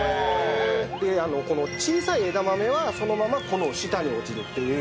でこの小さい枝豆はそのままこの下に落ちるっていう。